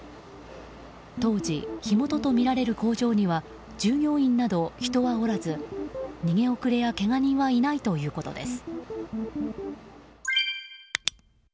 当時、火元とみられる工場には従業員など人はおらず逃げ遅れやけが人はいないということです。